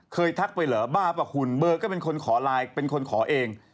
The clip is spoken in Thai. ทักไปเหรอบ้าป่ะคุณเบอร์ก็เป็นคนขอไลน์เป็นคนขอเอง